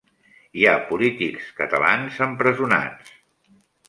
Hi ha polítics catalans empresonats